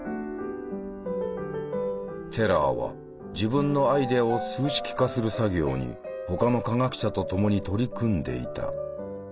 テラーは自分のアイデアを数式化する作業に他の科学者と共に取り組んでいた。